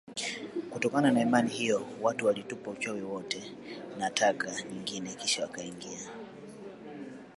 Kutokana na imani hiyo watu walitupa uchawi wote na taka nyingine kisha wakaingia